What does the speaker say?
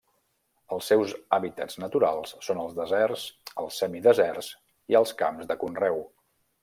Els seus hàbitats naturals són els deserts, els semideserts i els camps de conreu.